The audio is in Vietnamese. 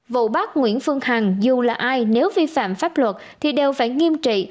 vụ bắt nguyễn phương hằng dù là ai nếu vi phạm pháp luật thì đều phải nghiêm trị